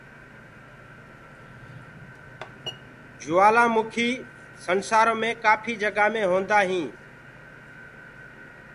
جوُلآ مُکيٚ دنيآ مي ڪآپهي جگآ مي هوندآ هينٚ۔